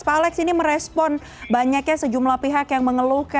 pak alex ini merespon banyaknya sejumlah pihak yang mengeluhkan